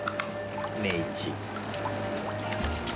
メイチ。